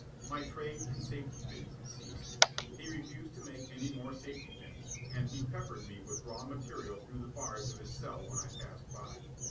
My trade in safety pins ceased. He refused to make any more safety pins, and he peppered me with raw material through the bars of his cell when I passed by.